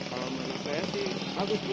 kalau menurut saya sih bagus